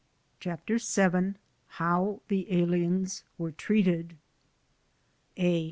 CHAPTER VII HOW THE ALIENS WERE TREATED A.